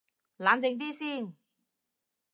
冷靜啲先